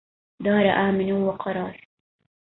دار أمن وقرار